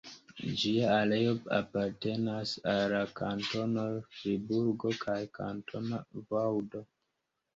Ĝia areo apartenas al la kantonoj Friburgo kaj Kantona Vaŭdo.